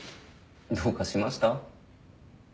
どうかしました？